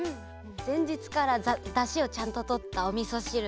ぜんじつからだしをちゃんととったおみそしると。